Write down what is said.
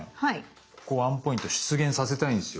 ここワンポイント出現させたいんですよ。